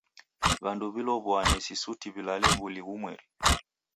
W'andu w'ilow'uane si suti w'ilalew'uli ghumweri.